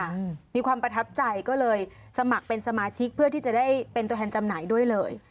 อืมมีความประทับใจก็เลยสมัครเป็นสมาชิกเพื่อที่จะได้เป็นตัวแทนจำหน่ายด้วยเลย